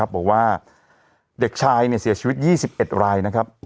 บอกว่าเด็กชายเสียชีวิต๒๑ราย